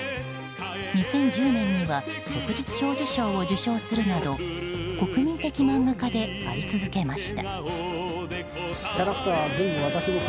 ２０１０年には旭日小綬章を受章するなど国民的漫画家であり続けました。